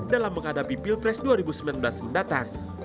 dalam menghadapi pilpres dua ribu sembilan belas mendatang